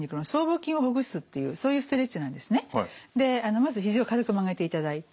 まずひじを軽く曲げていただいてそうです。